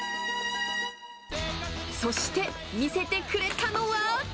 そして、見せてくれたのは。